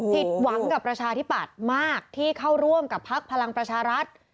ผิดหวังกับประชาธิปัตย์มากที่เข้าร่วมกับพักพลังประชารัฐ